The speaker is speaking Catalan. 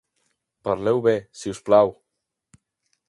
Parleu bé, si us plau!